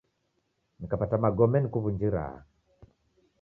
Nkapata magome nukuw'unjira.